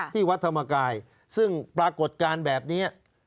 ที่วัดธรรมกายซึ่งปรากฏการณ์แบบนี้